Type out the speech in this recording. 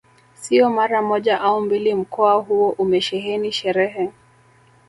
Sio mara moja au mbili mkoa huo umesheheni sherehe